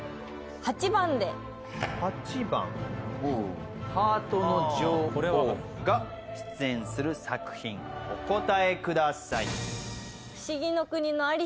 ８番で８番はいハートの女王が出演する作品お答えください